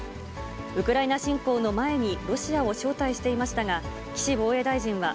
ウクライナ侵攻の前に、ロシアを招待していましたが、岸防衛大臣は、